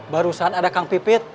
baru saat ada kang pipit